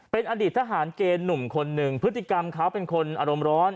เป็นอดีตทหารเกณฑ์หนุ่มคนหนึ่งพฤติกรรมเขาเป็นคนอารมณ์ร้อน